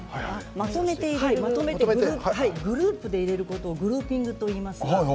まとめてグループで入れることをグルーピングといいます。